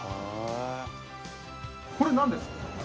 これ何ですか？